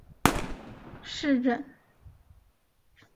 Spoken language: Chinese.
下格布拉是德国图林根州的一个市镇。